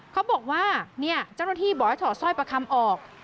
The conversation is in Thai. เขาบอกว่าเนี่ยเจ้าหน้าที่บอกให้ถอดสร้อยประคำออก